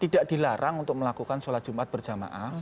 tidak dilarang untuk melakukan sholat jumat berjamaah